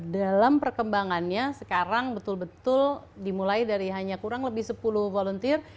dalam perkembangannya sekarang betul betul dimulai dari hanya kurang lebih sepuluh volunteer